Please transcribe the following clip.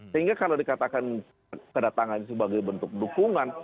sehingga kalau dikatakan kedatangan sebagai bentuk dukungan